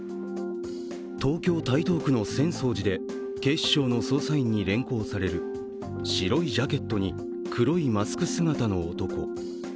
東京・台東区の浅草寺で警視庁の捜査員に連行される白いジャケットに黒いマスク姿の男。